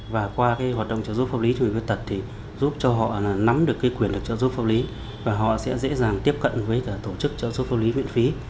và qua hoạt động trợ giúp pháp lý cho người khuyết tật thì giúp cho họ nắm được quyền lực trợ giúp pháp lý và họ sẽ dễ dàng tiếp cận với tổ chức trợ giúp pháp lý miễn phí